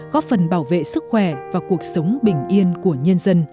góp phần bảo vệ sức khỏe và cuộc sống bình yên